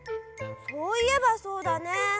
そういえばそうだね。